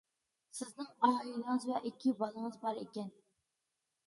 سىزنىڭ ئائىلىڭىز ۋە ئىككى بالىڭىز بار ئىكەن.